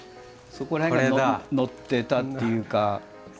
そこら辺がのってたっていうか。